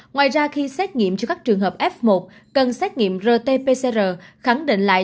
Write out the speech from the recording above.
ngoài ra khi xét nghiệm cho các trường hợp f một cần xét nghiệm rt pcr khẳng định lại